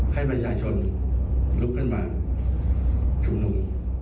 ให้ประชาชนลุกขึ้นมาชุมนุม